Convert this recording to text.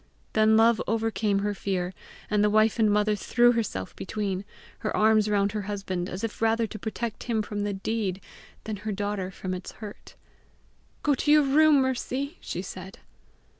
Then love overcame her fear, and the wife and mother threw herself between, her arms round her husband, as if rather to protect him from the deed than her daughter from its hurt. "Go to your room, Mercy," she said.